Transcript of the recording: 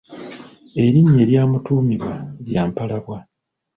Erinnya eryamutuumibwa lya Mpalabwa.